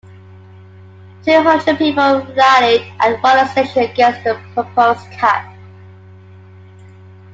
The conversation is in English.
Two hundred people rallied at Rutland station against the proposed cut.